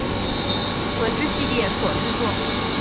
魂之系列所制作。